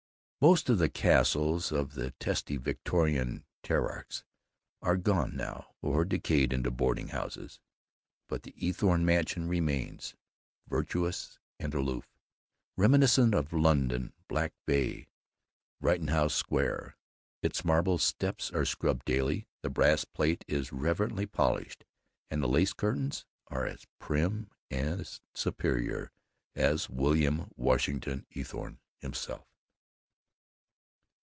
Most of the castles of the testy Victorian tetrarchs are gone now or decayed into boarding houses, but the Eathorne Mansion remains virtuous and aloof, reminiscent of London, Back Bay, Rittenhouse Square. Its marble steps are scrubbed daily, the brass plate is reverently polished, and the lace curtains are as prim and superior as William Washington Eathorne himself.